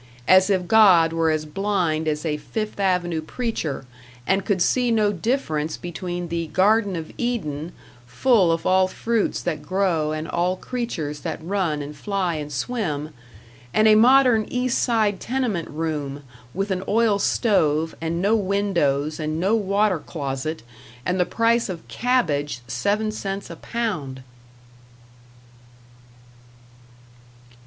As if God were as blind as a Fifth Avenue preacher, and could see no difference between the Garden of Eden, full of all fruits that grow and all creatures that run and fly and swim, and a modern East Side tenement room, with an oil stove and no windows and no water closet, and the price of cabbage seven cents a pound!